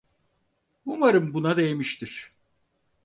Umarım buna değmiştir.